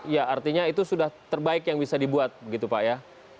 ya artinya itu sudah terbaik yang bisa dibuat begitu pak ya